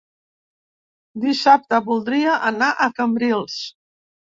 Dissabte voldria anar a Cambrils.